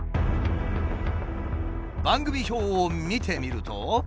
番組表を見てみると。